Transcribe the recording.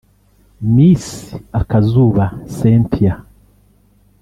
Miss Akazuba Cynthia